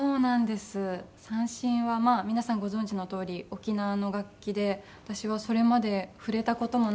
三線は皆さんご存じのとおり沖縄の楽器で私はそれまで触れた事もなかった楽器で。